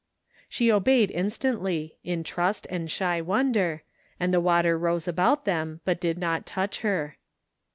She obeyed instantly, in trust and shy wonder, and the water rose about them, but did not touch her.